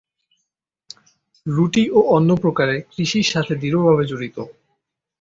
রুটি অন্য প্রকারে কৃষির সাথে দৃঢ়ভাবে জড়িত।